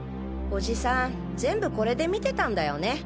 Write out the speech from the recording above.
おじさん全部これで見てたんだよね？